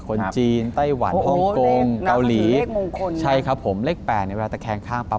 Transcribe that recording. คนจีนไต้หวันฮ่องกงเกาหลีใช่ครับเลข๘เวลาแต่แค้นข้างปั๊บ